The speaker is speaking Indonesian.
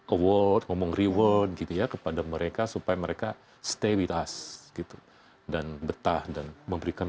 award ngomong reward gitu ya kepada mereka supaya mereka stay weath us gitu dan betah dan memberikan